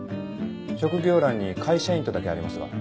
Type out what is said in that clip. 職業欄に「会社員」とだけありますが。